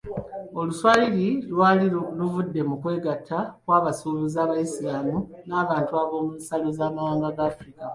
Oluswayiri lwali luvudde mu kwegatta kw'abasuubuzi abayisiraamu n'abantu b'oku nsalo z'amawanga ga Africa.